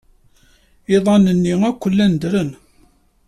Iḍan-nni akk llan ddren.